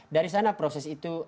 dari sana proses itu